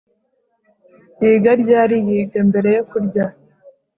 Yiga ryari Yiga mbere yo kurya